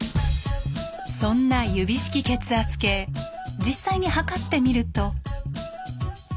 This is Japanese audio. そんな指式血圧計実際に測ってみると。